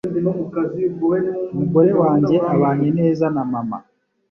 Umugore wanjye abanye neza na mama.